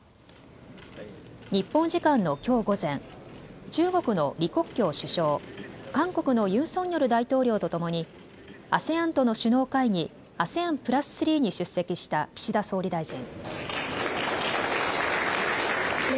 日本時間のきょう午前、中国の李克強首相、韓国のユン・ソンニョル大統領とともにＡＳＥＡＮとの首脳会議、ＡＳＥＡＮ＋３に出席した岸田総理大臣。